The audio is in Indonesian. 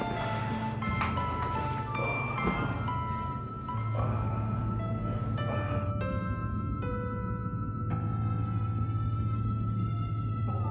sekarang papa istirahat ya